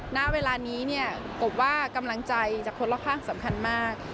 หน้าเวลานี้กบว่ากำลังใจจากคนละคร่างสำคัญมาก